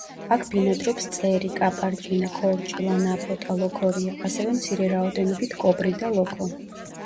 აქ ბინადრობს წერი, კაპარჭინა, ქორჭილა, ნაფოტა, ლოქორია, ასევე მცირე რაოდენობით კობრი და ლოქო.